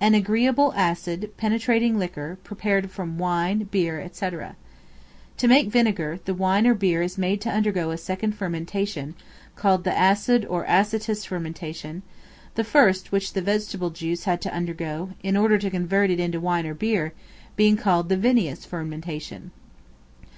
An agreeable, acid, penetrating liquor, prepared from wine, beer, &c. To make vinegar, the wine or beer is made to undergo a second fermentation, called the acid or acetous fermentation; the first which the vegetable juice had to undergo, in order to convert it into wine or beer, being called the vinous fermentation.